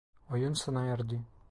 Oyun sona erdi.